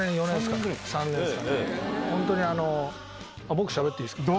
僕しゃべっていいですか？